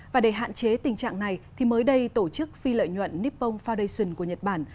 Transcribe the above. và để hạn chế tình trạng này mới đây tổ chức phi lợi nhuận nippon foundation của nhật bản